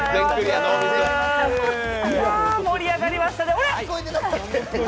盛り上がりましたね。